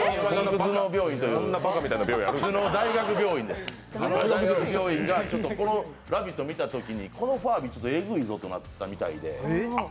頭脳大学病院が、この「ラヴィット！」を見たときに、このファービー、ちょっとえぐいぞとなったみたいで。